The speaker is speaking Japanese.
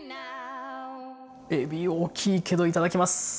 えび大きいけどいただきます。